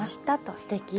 すてき。